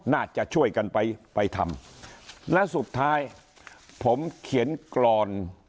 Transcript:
น่าจะช่วยกันไปไปทำและสุดท้ายผมเขียนกรอน